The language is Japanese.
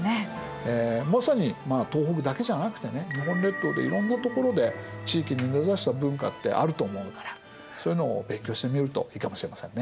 まさに東北だけじゃなくてね日本列島でいろんな所で地域に根ざした文化ってあると思うからそういうのを勉強してみるといいかもしれませんね。